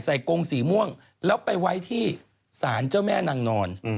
กงสีม่วงแล้วไปไว้ที่ศาลเจ้าแม่นางนอน